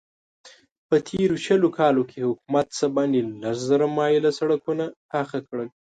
په تېرو شلو کالو کې حکومت څه باندې لس زره مايله سړکونه پاخه کړل.